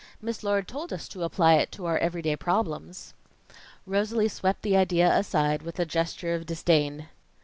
Miss Lord told us to apply it to our everyday problems." Rosalie swept the idea aside with a gesture of disdain.